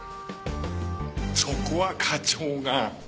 そこは課長が！